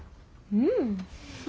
うん！